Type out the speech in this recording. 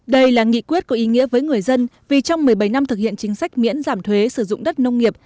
đây là nghị quyết có ý nghĩa với người dân vì trong một mươi bảy năm thực hiện chính sách miễn giảm thuế sử dụng đất nông nghiệp